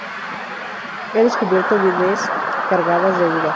He descubierto vides cargadas de uvas.